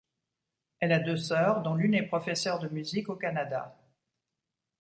Elle a deux sœurs dont l’une est professeur de musique au Canada.